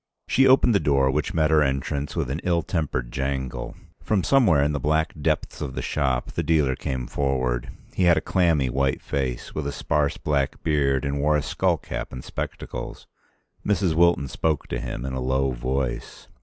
She opened the door, which met her entrance with an ill tempered jangle. From somewhere in the black depths of the shop the dealer came forward. He had a clammy white face, with a sparse black beard, and wore a skull cap and spectacles. Mrs. Wilton spoke to him in a low voice.